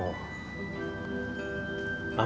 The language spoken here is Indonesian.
mereka harus beli tanah kamu